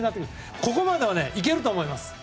ここまではいけると思います。